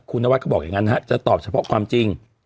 คุณนวัดก็บอกอย่างนั้นนะฮะจะตอบเฉพาะความจริง